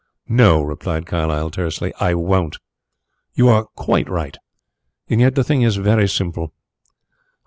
"No," replied Carlyle tersely: "I won't." "You are quite right. And yet the thing is very simple."